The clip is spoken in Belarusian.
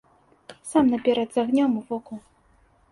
Сам наперад з агнём ў воку.